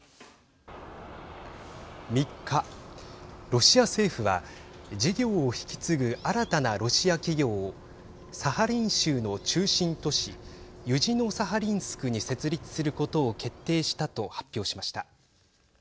３日ロシア政府は事業を引き継ぐ新たなロシア企業をサハリン州の中心都市ユジノサハリンスクに設立することを決定したと発表しました。